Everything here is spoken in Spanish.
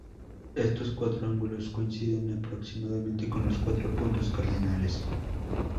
Estos cuatro ángulos coinciden aproximadamente con los cuatro puntos cardinales.